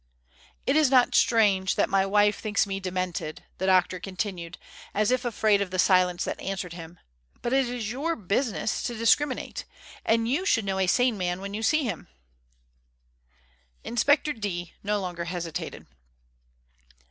"It is not strange that my wife thinks me demented," the doctor continued, as if afraid of the silence that answered him. "But it is your business to discriminate, and you should know a sane man when you see him." Inspector D no longer hesitated.